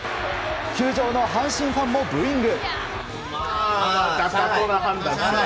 球場の阪神ファンもブーイング。